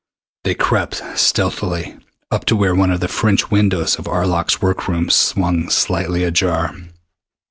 They crept stealthily up to where one of the French windows of Arlok's work room swung slightly ajar.